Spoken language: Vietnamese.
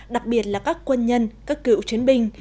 đặc biệt là các quân nhân các cựu chiến binh